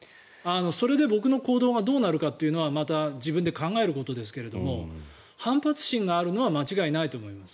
それで僕の行動がどうなるというのはまた自分で考えることですけれども反発心があるのは間違いないと思います。